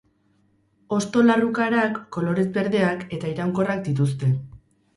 Hosto larrukarak, kolorez berdeak, eta iraunkorrak dituzte.